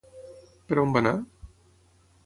Per on va anar?